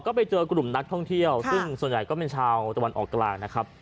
ก็ไปเจอกลุ่มนักท่องเที่ยวซึ่งส่วนใหญ่ก็เป็นชาวตะวันออกกลางนะครับ